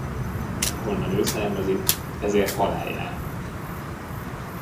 Ahonnan ő származik, ezért halál jár.